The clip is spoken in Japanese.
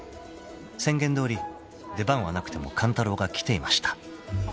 ［宣言どおり出番はなくても勘太郎が来ていました］